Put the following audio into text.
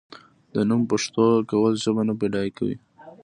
د نوم پښتو کول ژبه نه بډای کوي.